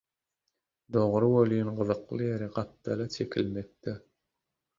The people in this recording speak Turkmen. Dogry welin, gyzykly ýeri “gapdala çekilmekde.”